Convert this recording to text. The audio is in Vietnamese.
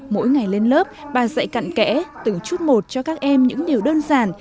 mỗi ngày lên lớp bà dạy cặn kẽ từng chút một cho các em những điều đơn giản